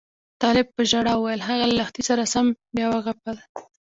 طالب په ژړا وویل هغه له لښتې سره سم بیا وغپل.